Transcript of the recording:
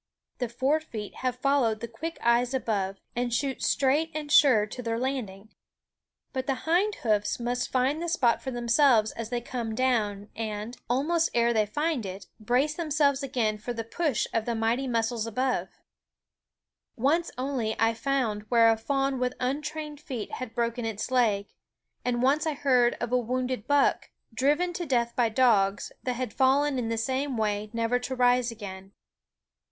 The fore feet have followed the quick eyes above, and shoot straight and sure to their landing; but the hind hoofs must find the spot for themselves as they come down and, almost ere they find it, brace themselves again for the push of the mighty muscles above. Once only I found where a fawn with untrained feet had broken its leg; and once I heard of a wounded buck, driven to death by dogs, that had fallen in the same way never to rise again.